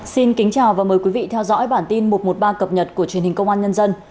xin kính chào và mời quý vị theo dõi bản tin một trăm một mươi ba cập nhật của truyền hình công an nhân dân